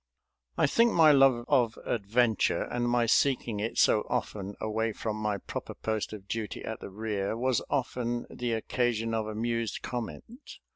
I think my love of adventure, and my seeking it so often away from my proper post of duty at the rear, was often the occasion of amused comment.